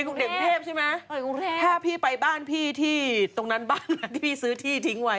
กรุงเทพใช่ไหมถ้าพี่ไปบ้านพี่ที่ตรงนั้นบ้านที่พี่ซื้อที่ทิ้งไว้